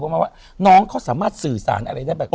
มาว่าน้องเขาสามารถสื่อสารอะไรได้แบบ